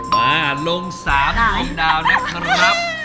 มาลง๓ดวงดาวนะครับ